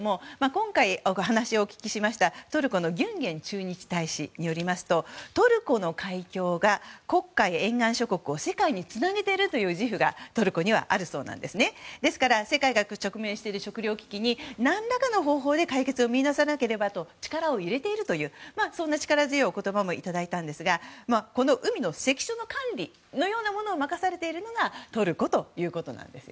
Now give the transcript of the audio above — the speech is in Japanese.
今回、お話をお聞きしましたトルコのギュンゲン駐日大使によりますとトルコの海峡が黒海沿岸諸国を世界につなげているという自負がトルコにはあるようでですから世界が直面している食糧危機に何らかの方法で解決を見いださなければと力を入れているという力強いお言葉もいただきましたがこうした海の関所の管理を任されているのがトルコだということです。